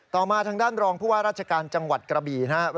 มาทางด้านรองผู้ว่าราชการจังหวัดกระบี่นะครับ